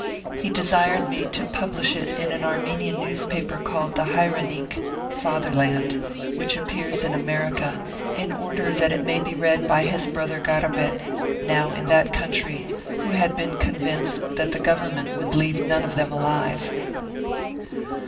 He desired me to publish it in an Armenian newspaper called Hayrenik (Fatherland), which appears in America, in order that it may be read by his brother Garabet, now in that country, who had been convinced that the Government would leave none of them alive.